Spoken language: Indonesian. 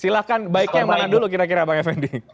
silahkan baiknya yang mana dulu kira kira bang effendi